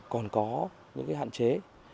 còn có những hạn chế